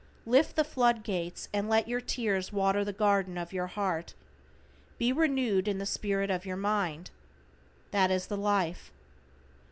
Lift the flood gates and let your tears water the garden of your heart. "Be renewed in the spirit of your mind." That is the life.